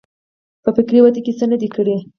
په فکري وده کې څه نه دي کړي.